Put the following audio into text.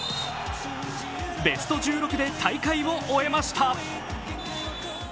ベスト１６で大会を終えました。